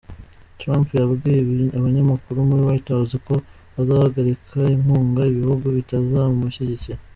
Trump yabwiye abanyamakuru muri White House ko azahagarikira inkunga ibihugu bitazamushyigikira.